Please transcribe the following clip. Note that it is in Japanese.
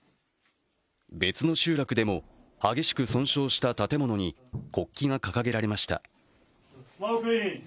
別の集落でも激しく損傷した建物に国旗が掲げられました。